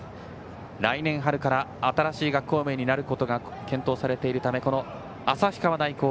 来年春から新しい学校名になることが検討されているためこの旭川大高